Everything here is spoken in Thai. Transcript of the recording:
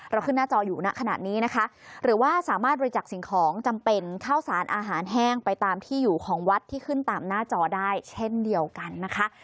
ขึ้นหน้าจออยู่ณขณะนี้นะคะหรือว่าสามารถบริจักษ์สิ่งของจำเป็นข้าวสารอาหารแห้งไปตามที่อยู่ของวัดที่ขึ้นตามหน้าจอได้เช่นเดียวกันนะคะ